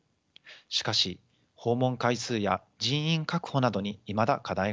しかし訪問回数や人員確保などにいまだ課題があります。